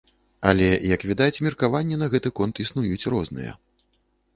Але, як відаць, меркаванні на гэты конт існуюць розныя.